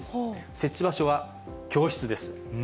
設置場所は、教室です。